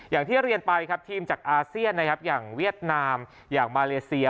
อย่างที่เรียนไปทีมจากอาเซียอย่างเวียดนามอย่างมาเลเซีย